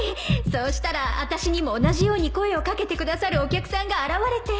そうしたらあたしにも同じように声を掛けてくださるお客さんが現れて